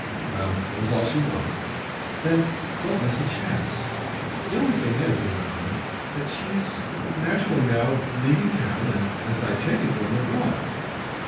Well, it was all she wanted. "Then don't miss a chance." "The only thing is," he went on, "that she's naturally now leaving town and, as I take it, going abroad."